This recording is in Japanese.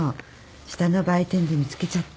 下の売店で見つけちゃった。